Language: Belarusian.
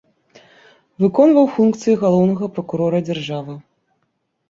Выконваў функцыі галоўнага пракурора дзяржавы.